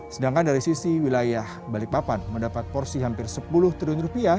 sedangkan dari sisi wilayah balikpapan mendapat porsi hampir rp sepuluh triliun